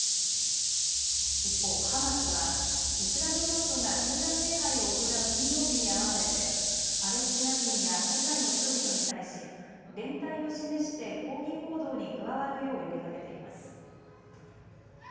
一方、ハマスはイスラム教徒が集団礼拝を行う金曜日に合わせてパレスチナ人や世界の人々に対し連帯を示して抗議行動に加わるよう呼びかけています。